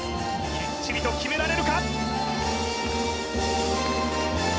きっちりと決められるか！？